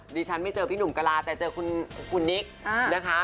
ไม่เจอพี่หนุ่มกะลาแต่เจอคุณนิกนะคะ